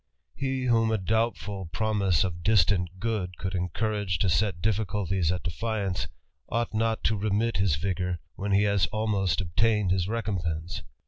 He, whom a doubtful promise of istant good could encourage to set difficulties at defiance, Ught not to remit his vigour, when he has almost obtained is recompense.